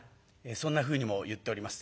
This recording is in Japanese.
そんなふうにも言っております。